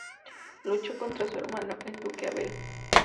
Luchó contra su hermano, el Duque Abel.